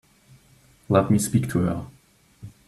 Let me speak to her.